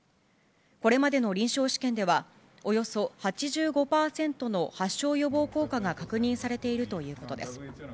これまでの臨床試験では、およそ８５％の発症予防効果が確認されているということです。